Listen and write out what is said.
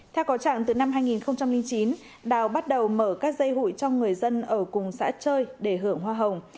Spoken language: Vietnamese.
theo có trạng từ năm hai nghìn chín đào bắt đầu mở các dây hụi cho người dân ở cùng xã chơi để hưởng hoa hồng